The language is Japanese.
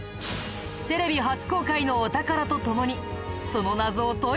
テレビ初公開のお宝と共にその謎を解いていくよ。